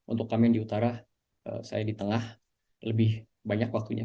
untuk kami yang di utara saya di tengah lebih banyak waktunya